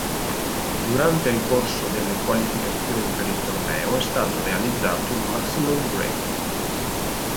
Durante il corso delle qualificazioni per il torneo è stato realizzato un maximum break.